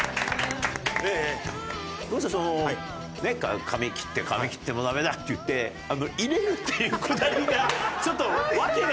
どうしてその髪切って髪切ってダメだって言って入れるっていうくだりがちょっとわけが。